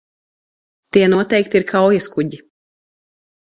Tie noteikti ir kaujaskuģi.